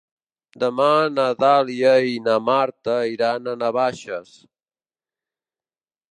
Demà na Dàlia i na Marta iran a Navaixes.